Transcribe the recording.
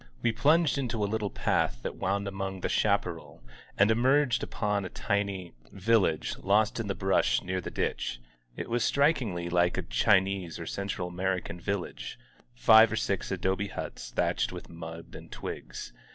We plunged into a little path that wound among the chaparral and emerged upon a tiny 215 INSURGENT MEXICO Tillage, lost in the brush near the ditch. It was strik ingly like a Chinese or Central American village: fire or six adobe huts thatched with mud and twigs.